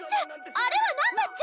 あれは何だっちゃ？